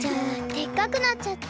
でっかくなっちゃった。